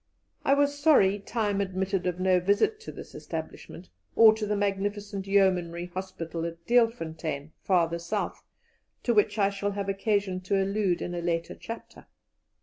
I was sorry time admitted of no visit to this establishment or to the magnificent Yeomanry Hospital at Deelfontein, farther south, to which I shall have occasion to allude in a later chapter.